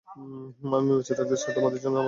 আমি বেঁচে থাকতে চাই, তোমার জন্য আমাদের বাচ্চার জন্য।